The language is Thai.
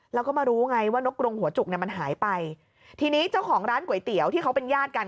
แล้วก็มารู้ไงว่านกกรงหัวจุกเนี่ยมันหายไปทีนี้เจ้าของร้านก๋วยเตี๋ยวที่เขาเป็นญาติกัน